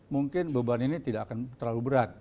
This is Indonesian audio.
mungkin beban ini tidak akan terlalu berat